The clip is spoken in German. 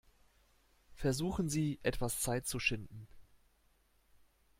Versuchen Sie, etwas Zeit zu schinden.